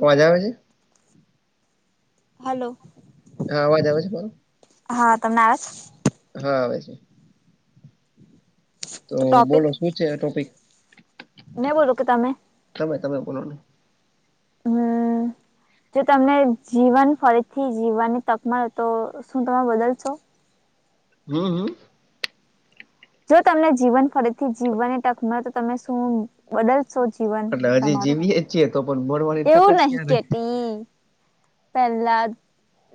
અવાજ આવે છે? હલો હા અવાજ આવે છે, મારો હા તમને આવેજ હા આવે છે. તો બોલો શું છે, આ ટોપિક ન બોલું કે તમે તમે તમે બોલોહી હમ્મ જો તમને જીવન ફરીથી જીવવાની તક મળે તો શું તમે બદલશો હમ્મ હમ્મ જો તમને જીવન ફરીથી જીવવાને ટકમાં તો તમે શુ બદલશો જીવન એટલે હજી તમારું જીવીએ જ છીએ તો પણ એવું નહિ કેતી હ પહેલા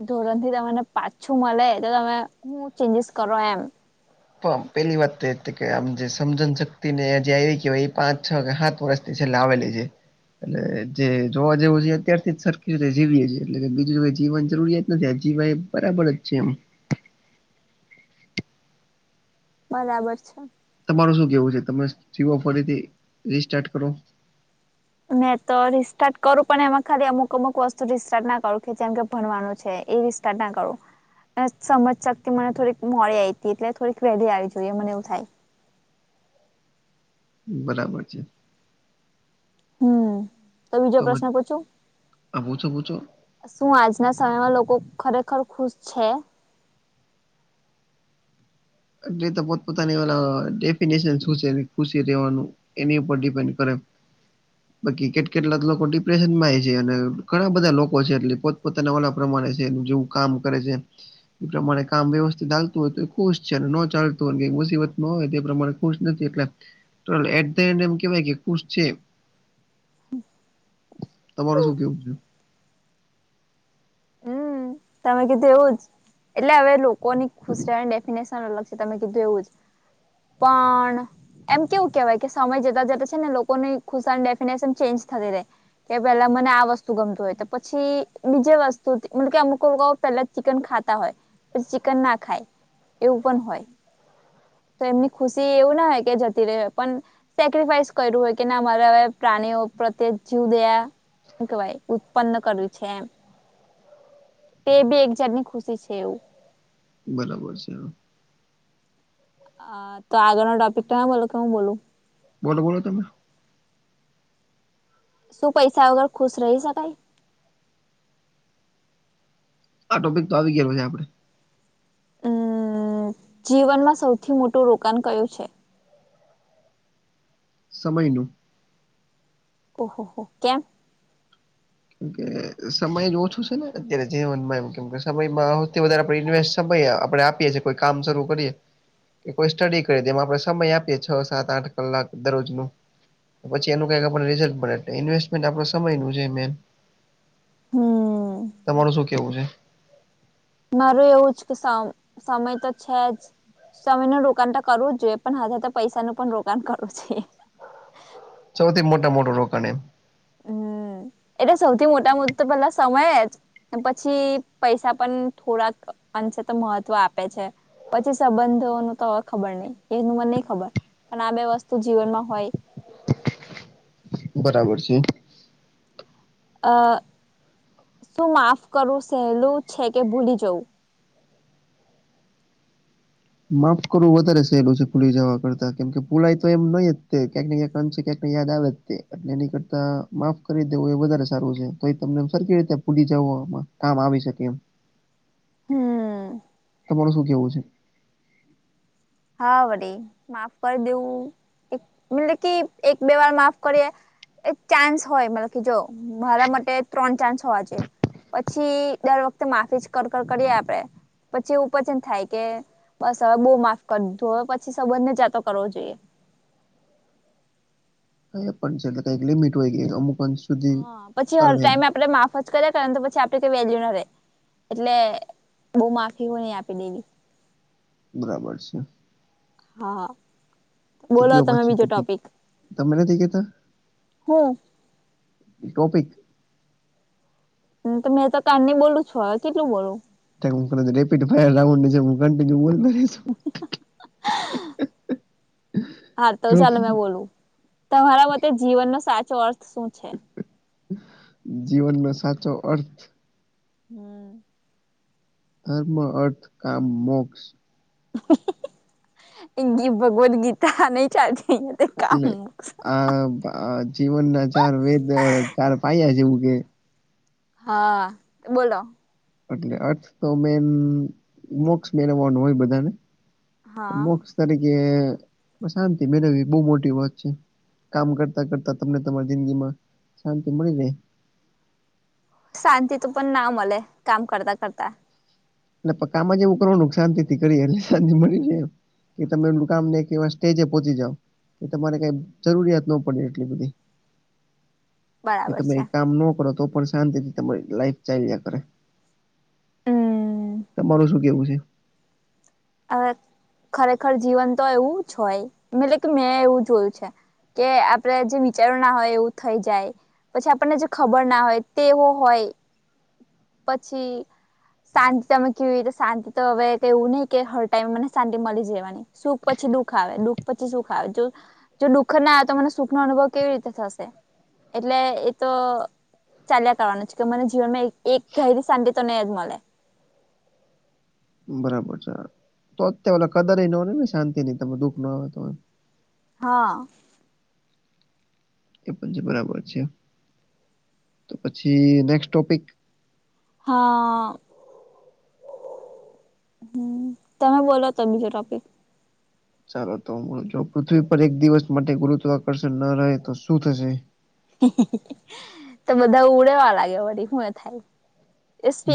ધોરણ થી તમને પાછું મળે તો તમે હું ચેન્જીસ કરો એમ પણ પેલી વાત તો એ કે આમ જે સમજન શક્તિ ને જે આવી કેવાય એ પાંચ છ, સાત વર્ષ તે છે લાવેલી છે. એટલે જે જોવા જેવું છે અત્યારથી જ સરખી રતે જીવીએ છીએ, એટલે બીજું જો જીવન જરૂરી નથી આજીવાાઈ બરાબર જ છે એમ બરાબર છે તમારું શું કેવું છે તમે જીવ ફરીથી રીસ્ટાર્ટ કરો મેં તો રિસ્ટાર્ટ કરું પણ એમાં ખાલી અમુક અમુક વસ્તુ રિસ્ટાર્ટ ના કરું કે જેમ કે ભણવાનું છે એ તાર ના કરો સમજ શકતી મને થોડીક મોડી આવીઈ હતી એટલે થોડીક વેલી આવી જોઈએ મને એવું થાય બરાબર છે હમ તો બીજો પ્રશ્ન પૂછું આ પૂછો પૂછો. શું આજના સમયમાં લોકો ખરેખર ખુશ છે એટલે પોતપોતાની ડેફિનેશન શું છે ખુશી રહેવાનું એની ઉપર ડડીપેન્ડ કરે બાકી કેટલા કેટલા લોકો ડિપ્રેશન માં છે અને ઘણા બધા લોકો છે એટ પોતપોતાના વાડા પ્રમાણે છે એ જેવું કામ કરે છે એ પ્રમાણે કામ વ્યવસ્થિત ચાલતું હોય તો ખ ન ચાલતું હો મુસીબત ન હોય તે પ્રમાણે ખુશ નથી એટલે એટ એન્ડ એમ કે ભાઈ કે ખુસ છે તમારું શું કેવું છે હમ તમે કીધું એવું જ એટલે હવે લોકોની ખુશિયાની ડેફિનેશન અલગ છે તમે કીધું એવું જ પણ એમ કેવું કેહેવાય કે સમય જતા જતા છે ને લોકોની ખુશની ડેફિનેશન ચેન્જ થતી રહે કે પેલા મને આ વસ્તુ ગમતું હોય તો પછી બીજે વસ્તુ મતલબ કે અમુક કો પહેલા ચિકન ખાતા હોય ચિકન ના ખાય એવું પણ હોય તો એમની ખુશી એવું ના હો કે જતી રહે પણ સેક્રિફાઈસ કર્યું હોય કે ના મારા પ્રાણીઓ પ્રત્યે જીવ દયા કેવાય ઉત્પન્ન કરવું છે એમ તે બી એકજણ ની ખુશી છે એવું બરાબર છે અ તો આગળનો ટોપિક તો બોલો કે હું બોલું બોલો બોલો તમે શું પૈસા વગર ખુશ રહી શકાય આ ટોપિક તો આવી ગયેલો છે આપડે હમ જીવનમાં સૌથી મોટું રોકાણ કયું છે સમયનું ઓહોહ કેમ મ સમય જ ઓછું છે ને અત્યારે જીવનમાં એમ કેમ કે સમયમાં સૌ વધારે આપ ઇન્વેસ્ટ સમય આપ આપએ કોઈ કામ શરૂ કરીએ કે કોઈ સ્ટડી કરીેમાં આપડે સમય આપીએ છ સાત આઠ કલાક દરરોજ ન પછી એનું કઈ આપણે રિઝલ્ટ મળે એટલે ઇન્વેસ્ટમેન્ટ આપ સમયનું છે મેન હમ તમારું શું કેવું છે માર એવું જ કે સમય તો છે જ સમય નું રોકાણ તો કરવું જ જોઈએ, પણ હવે તો પૈસાનું પણ રોકાણ કરવું જોઈએ. સૌથી મોટામ મોટું રોકાણ એમ. હમ [inaudible] એટલે સૌથી મોટા મુદ્દ તો પેલા સમયે જ. પછી પૈસા પણ થોડાક અંશે તો મહત્વ આપે છે પછી સંબંધો ન તો હવે ખબર નહ એનું મને નહી ખબર પણ આ બે વસ્તુ જીવનમાં હોય બરાબર છે અ શું માફ કરું સહેલું છે કે ભૂલી જવું માફ કરવું વધારે સહેલું છે ફુલી જવા કરતા કેમ કે પુલાઈ તો એમ નહી જ ક્યાંક ને ક્યાંક ચ કેટ મયાદ વતે એ એની કરતા માફ કરી દેવું એ વધારે સારું છે તો તમને સર કેવી રીતે પૂલી જમાં કામ આવી શકે એમ. હમ તમારું શું કેવું છે? હા વડીલ, માફ કર દેવું, એક, મતલબ કી એક બે વાર માફ કરીએે એક ચાન્સ હોય, મતલબ કે જો, મારા માટે ત્રણ ચાન્સ હોવા જોએ. પછી દર વખતે માફી જ કર-કર કરીએ આપડે પછી એવું [unintelligible] થાય કે બસ હવે બહું માફ કર દીધું, હવે પછી સંબંધને જાતો કરવો જોઈએ. [unintelligible] લિમિટ હોય એક અમુક અંશ સુધી હા. પછી હર ચાલે એમ ટાઈમે આપડે માફ ફ જ કર્યાં કરે ને તો પછી આપડી કાઈ વેલ્યુ ન રહેે, એટલે બહુ માફી હોય એ આપી દેવી. બરાબર છે. હા. તો બોલો કયો તમે પછી બીજો ટોપિક. તમે નથી કેતા હું ઈ ટોપિક તો મેં તો કારની બોલું છું, હવે કેટલું બોલું? [unintelligible] હા, તો જો ચાલો મેં બોલું. તમારા મતે જીવનનો સાચો અર્થ શું છે? જીવનમાં સાચો અર્થ હમ્મ. ધર્મ, અર્થ, કામ, મોક્ષ ઈ ગી ભગવદ ગીતા નહીં ચાલતી [unintelligible] નહીં. આ, આ જીવન ના ચાર વેદ, ચાર પાયા જેવું કે હા, બોલો. એટલે અર્થ તો મેન મોક્ષ મેન રહેવાનું હોય બધાને, તો હા મોક્ષ તરીકે શાંતિ મેળવવી એ બહુ મોટી વાત છે. કામ કરતા-કરતાં તમને તમારી જિંદગી માં શાંતિ મળી રહે શાંતિ તો પણ ના મલે, કામ કરતા-કરતા. એટલે પકામાં જ એવું કરવાનું કે શાંતિથી કરીએ એટલે શાંતિ મળી રહે એમ. કે તમે [unintelligible] ને કે એવાં સ્ટેજે પહોંચી જાવ કે તમારે કઈ જરૂરિયાત ન પડે એટલી બધી. કે બરાબર તમે છે એ કામ ન કરો તો પણ શાંતિ થી તમારી લાઈફ ચાલ્યા કરે. હમ તમારું શું કેવું છે? અહ ખરેખર જીવન તો એવું જ હોય, મલે કે મેં એવું જોયું છે. કે આપડે જે વિચારો ના હોય એવું થઈ જાય પછી આપણને જે ખબર ના હોય તેવો હોય પછી, શાંત તમે કેવી રીતે શાંત તો હવે કેવું નહીં કે હર ટાઈમ મને શાંતિ મલી જવાની, સુખ પછી દુઃખ આવે, દુઃખ પછી સુખ આવે, જો જો દુઃખ ના આવે તો મને સુખ નો અનુભવ કેવી રીતે થશે, એટલે એતો ચાલ્યા કરવાનું છે, કે મને જીવનમાં એક-એક ધાયરી શાંતિ તો નહીં જ મલે. બરાબર છે. તો અત ઓલાં કદર એય નો રહે ને શાંતિ ની, તમને દુઃખ ન આવે તો એમ. હા. એ પણ છે, બરાબર છે. તો પછી નેક્સ્ટ ટોપિક હા. હમ્મ. તમે બોલો તો બીજો ટોપિક. ચાલો તો હું, જો પૃથ્વી પર એક દિવસ માટે ગુરુત્વાકર્ષણ ન રહે તો શું થશે? તો બધા ઉડવા લાગે, વળી હું એય થાય.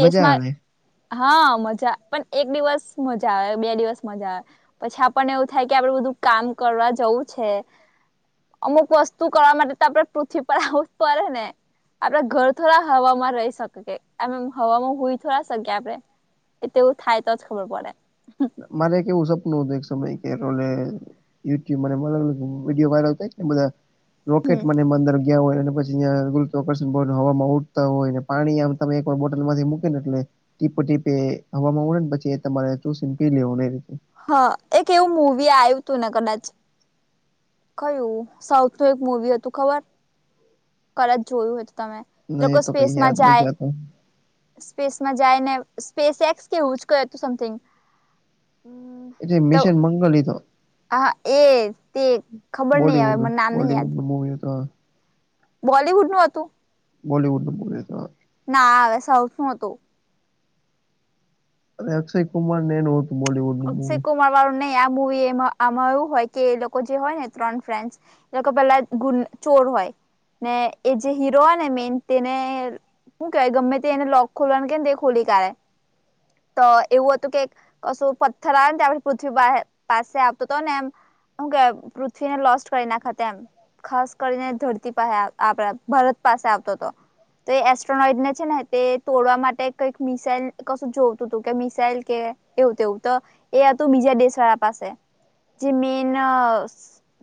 મજા આવે હા મજા પણ એક દિવસ મજા આવે, બે દિવસ મજા આવે પછી આપણ ને એવું થાય કે, આપડે બધું કામ કરવા જવું છે. અમુક વસ્તુ કરવા માટે તો આપડે પૃથ્વી પર આવુંજ પડેને. આપડા ઘર થોડા હમાં રહી શકકે આમ હવામાં હુઇ થોડા શકી આપડે એ તો થાય તોજ ખબર પડે. મારે કેવુ સપનું હતું એક સમય કેરોલે યુટ્યુબ મને [unintelligible] વિડીયો વાયરલ થઇને બધા રોકેટ હમ મને અંદર લેવારે ને પછી ન્યા ગુરુત્વાકર્ષણ પણ હવામાં ઉડતા હોય ને પાણી આમ તમે એકવાર બોટલ માંથી મૂકે ને એટલે ટીપ ટીપે હવામાં હોડે ને, પછી એ તમારે ચુસી ને પી લેવાનું એ રીતે હા, એક એવું મવી આયુંતું ને કદાચ. કયું? સાઉથ નું એક મુવી હતું ખબર. કદાચ જોયું હોય તો તમે, ન લોકો એ તો કઈ યાદ સ્પેસમાં નથી જાય આતો સ્પેસમાં જાયને, સ્પેસ એક્સ કે એવુંજ કઈ હતું સમથિંગ. હમ્મ જે મિશન મંગલ હીથો હા એજ તેજ ખબર નહિ, હવે બોલીવુડ મને નામ નહિ યાદ. બોલીવુડ મુવી તો બોલિવુડ નું હતું. બોલીવુડ નુ મુવી હતો ના હવે સાઉથ નુ હતું. અરે અક્ષય કુમાર ને એનુ હતુ અક્ષય કુમાર વાળું નહિ, આ મુવી એમાં આમાં એવું હોયકે એ લોકોજે હોય ને ત્રણ ફ્રેન્ડસ એ લોકો પેલા ગુન ચોર હોય, ને એ જે હીરો હોય ને મેન તેને હુ કેહેવાય ગમે તે એને લોક ખોલવા નુ કે તે એ ખોલી કાઢે. તો એવું હતું કે અશોક પથ્થર આવે ને તે આપણી પૃથ્વી પાહે, પાસે આવતો તો ને એમ. હુ કેવાય પૃથ્વીને લોસ્ટ કરી નાખત એમ. ખાસ કરીને ધરતી પાહે આપડા ભારત પાસે આવતો હતો. તે એસ્ટ્રોનોઈટને છે ને તે તોડવા માટે કઈક મિસાઇલ કશું જોવતું તું કે મિસાઇલ કે એવું તેવું, તો એ હતું બીજા દેશ વાળા પાસે, જે મેન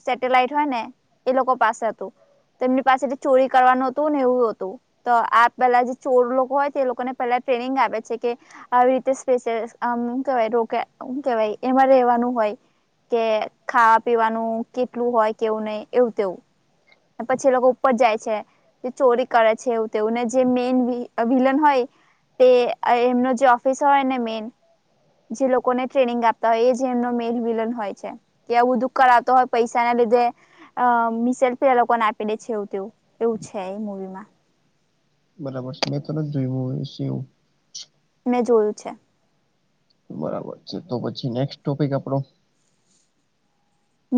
સેટેલાઈટ હોયને એ લોકો પાસે હતુ. તો એમની પાસેથી ચોરી કરવાનું હતું, ને એવું હતું. તો આ પેલા જે ચોર લોકો હોય, તે લોકોને પેલા ટ્રેનિંગ આવે છે કે આવી રીતે સ્પેસ હમ્મ હુ કેવાય રોકા હુ કેવાય એમાં રેવાનું હોય. કે ખાવા પીવાનું કેટલું હોય, કેવું નહી, એવું તેવું. ને પછી એ લોકો ઉપર જાય છે, તે ચોરી કરે છે એવુ તેવું, ને જે મેન વી વિલન હોય. તે એમનો જે ઓફિસર હોય ને મેન જે લોકોને ટ્રેનિંગ આપતા હોય, એ જ એમનો મેન વિલન હોય છે. કે એવું દુ કરા તો પૈસા ના લીધે. અ મિસેલ્ફી એ લોકોને આપી દે છે એવું તેવું, એવું છે એ મુવીમાં. બરાબર છે, મેં તો નથ જોયું મુવી શિવ મેં જોયું છે. બરાબર છે, તો પછી નેક્સ્ટ ટોપિક આપડો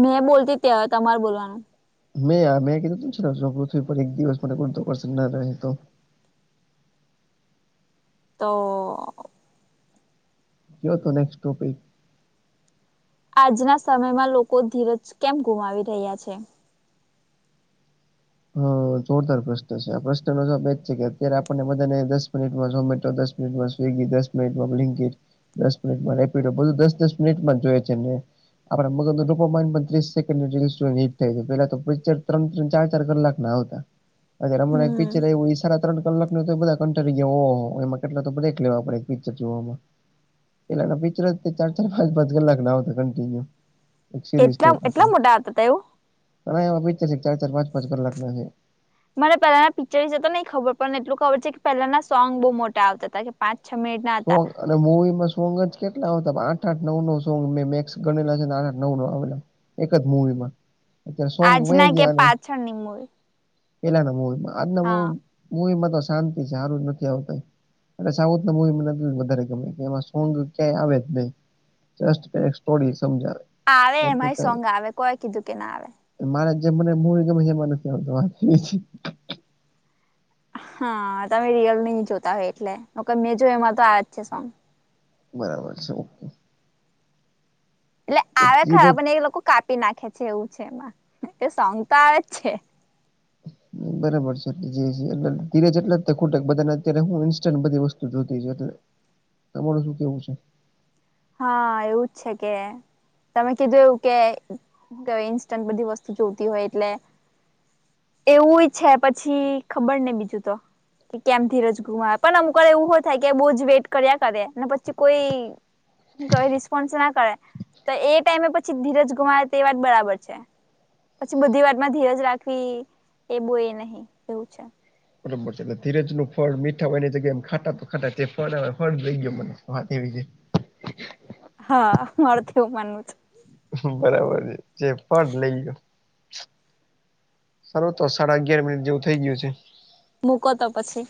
મેં બોલતી ત્યાં તમારે બોલવાનું. મેઆ મે કીધું [unintelligible] તો કેવા કેનેસ ટોપિક આજના સમયમાં લોકો ધીરજ કેમ ગુમાવી રહ્યા છે? હ જોરદાર પ્રશ્ન છે, આ પ્રશ્નનો જવાબ એજ છે કે, અત્યારે આપણને બધાને દસ મિનિટમાં ઝોમેટો દસ સ્વીગી, દસ મિનિટ મા બ્લિકિટ દસ મિનિટ માં રેપિડો બધું દસ દસ મિનિટમાં જોય છે ને. આપ મગપ થાય છે પેલા પ્ચર ત્ર્રણ ચાર પચ હમ સાડા ત્રણ કલાક ન તો બધા કંન્ટરી હો હો એમાં કેટલા તો બ્રેક લેવા પડે પિક્ચર જોવામાં [unintelligible] એટલા એટલા મોટા હતા એવું [unintelligible] પિકચર ચાર ચાર પાંચ પાંચ કલાકના છે મને પહેલાના પિક્ચર વિસે તો નહીં ખબર પણ એટલું ખબર છે કે પહેલાના સોંગ બહુ મોટા આવતા હતા કે પાંચ છ મિનિટ સોંગ અને મવીમાં સોંગ જ કેટલા આવતા આઠ આઠ નવ નો સોંગ મેં મેક્સ ગણેલા છે ને આઠ આઠ નવ નવ આવેલા એક જ મુવીમાં અત્યારે સોંગ આજના વયા કે ગયાને પાછળની મૂવી પેલા ના મુવીમાં આજ ના હા મુવીમા મવી માં તો શાંતિ છે સારું જ નથી આવતું અને સાઉથ ના મવીમાં વધારે ગમે કે એમાં સોંગ ક્યાંય આવે જ નહી જ સ્ટોરી સમજાવે આવે એમારી સોંગ આવે કોઈ કીધું કે ના આવે મારે જે મને મુવી ગમે એમાં નથી આવતા [unintelligible] હા તમે રિયલ નહી જોતા હોય એટલે મેં જો એમાં તો આવે જ છે સોંગ બરાબર છે ઓકે એટલે તો આવે ધીરજ ખરા પણ એ લોકો કાપી નાખે છે એવું છે એમાં એટલે સોંગ તો આવે જ છે [unintelligible] બરાબર છે એટલે જે એટલે ધીરેજ એટલે જ ખોટક બધાને અત્યારે હું ઇન્સ્ટ બધી વસ્તુ જોતી હોય એટલે તમાર શું કેવું છે હા એવું જ છે કે તમે કીધું એવું કે ક ઇન્સ્ટન્ટ બધી વસ્તુ જોતી હોય એટલે એવું છે પછી ખબર ને બીજું તો કેમ ધીરજ ગુમાવે પણ અમુક એવું હો થાય કે બહુ જ વેટ કર્યા કરે ને પછી કોઈ કઈ રિસ્પોન્સ ના કરે તો એ ટાઈમે પછી ધીરજ ગુમાવે તે વાત બરાબર છે પછી બધી વાત માં ધીરજ રાખવી એ બો એ નહીં એવું છે બરોબર છે એટલે ધીરજ નું ફળ મીઠા હોય ની જગ્યા એમ ખાટા તો ખાટ તે ફળ ફળ દઈ ગયો મનેત વાત એવી છે હા મારું એવું માનવું છે બરાબર છે જે પણ લઈ ગયો સારો તો સાડા અગિયાર મિનિટ જેવું થઇ ગયું છે મૂકો તો પછી